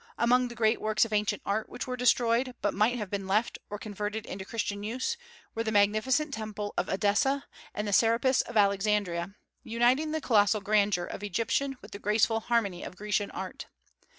Among the great works of ancient art which were destroyed, but might have been left or converted into Christian use, were the magnificent temple of Edessa and the serapis of Alexandria, uniting the colossal grandeur of Egyptian with the graceful harmony of Grecian art.